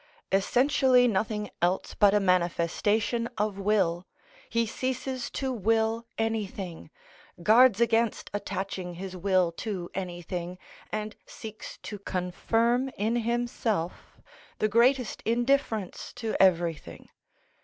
Essentially nothing else but a manifestation of will, he ceases to will anything, guards against attaching his will to anything, and seeks to confirm in himself the greatest indifference to everything.